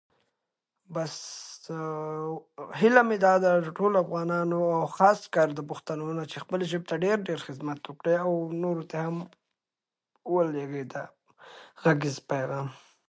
دریابونه د افغانانو د ژوند طرز اغېزمنوي.